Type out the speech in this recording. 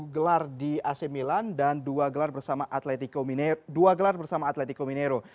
satu gelar di ac milan dan dua gelar bersama atletico minero